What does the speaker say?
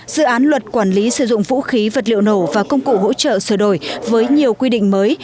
dự án luật quản lý sử dụng vũ khí vật liệu nổ và công cụ hỗ trợ sửa đổi với nhiều quy định mới